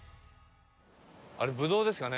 あれブドウですかね？